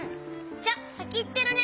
じゃあさきいってるね！